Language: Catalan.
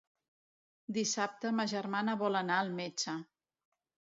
Dissabte ma germana vol anar al metge.